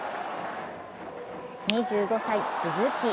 ２５歳・鈴木。